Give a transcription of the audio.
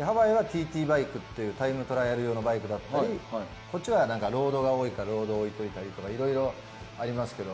ハワイはＴＴバイクっていうタイムトライアル用のバイクだったりこっちはロードが多いからロード置いておいたりいろいろありますけど。